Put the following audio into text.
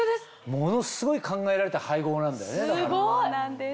ものすごい考えられた配合なんだよねだから。